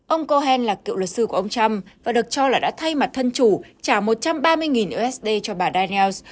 ông cohen là cựu luật sư của ông trump và được cho là đã thay mặt thân chủ trả một trăm ba mươi usd cho bà diels